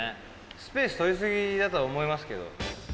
スペース取り過ぎだと思いますけど。